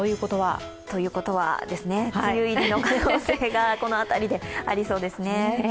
ということは梅雨入りの可能性のが、この辺りでありそうですね。